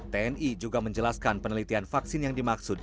tni juga menjelaskan penelitian vaksin yang dimaksud